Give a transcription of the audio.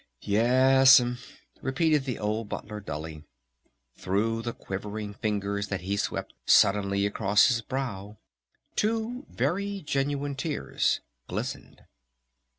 "Yes'm," repeated the old Butler dully. Through the quavering fingers that he swept suddenly across his brow two very genuine tears glistened.